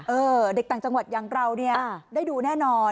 เด็กต่างจังหวัดอย่างเราเนี่ยได้ดูแน่นอน